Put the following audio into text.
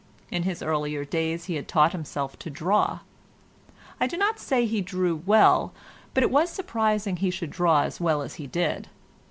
In his earlier days he had taught himself to draw. I do not say he drew well, but it was surprising he should draw as well as he did.